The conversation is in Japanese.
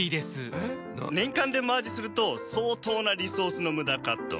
年間でマージすると相当なリソースの無駄かと。